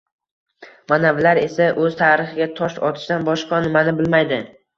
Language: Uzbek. Manavilar esa o‘z tarixiga tosh otishdan boshqa nimani bilmaydi.